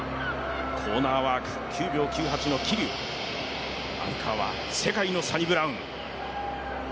コーナーワーク、９秒９８の桐生、アンカーは世界のサニブラウン。